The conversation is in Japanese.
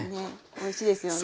おいしいですよね。